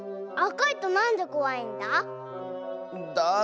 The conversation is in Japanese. あかいとなんでこわいんだ？